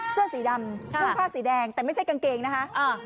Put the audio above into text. เสื้อสีดำนุ่งผ้าสีแดงแต่ไม่ใช่กางเกงนะคะ